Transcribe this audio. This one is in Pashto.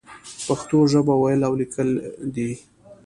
پښتو ژبه ويل او ليکل دې.